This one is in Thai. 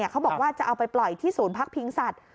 เขาบอกว่าจะเอาไปปล่อยที่ศูนย์พักพิงสัตว